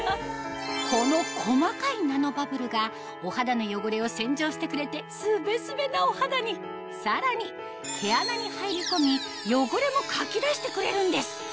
この細かいナノバブルがお肌の汚れを洗浄してくれてスベスベなお肌にさらに毛穴に入り込み汚れもかき出してくれるんです